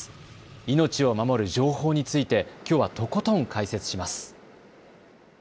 命を守る情報についてきょうは、とことん解説します。